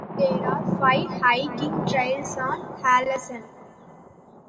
There are five hiking trails on Hallasan.